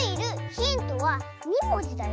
ヒントは２もじだよ。